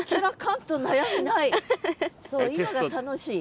そう今が楽しい？